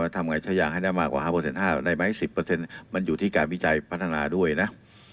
มาทำไงใช้อย่างให้ได้มากกว่าห้าโปรเซ็นต์ห้าได้ไหมสิบโปรเซ็นต์มันอยู่ที่การวิจัยพัฒนาด้วยนะ